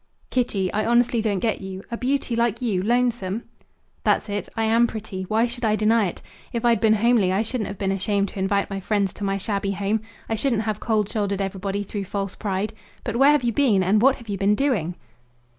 "Kitty, I honestly don't get you. A beauty like you, lonesome!" "That's it. I am pretty. Why should I deny it? If I'd been homely I shouldn't have been ashamed to invite my friends to my shabby home. I shouldn't have cold shouldered everybody through false pride. But where have you been, and what have you been doing?"